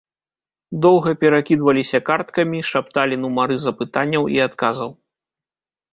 Доўга перакідваліся карткамі, шапталі нумары запытанняў і адказаў.